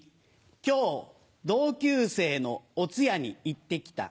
「今日同級生のお通夜に行って来た」。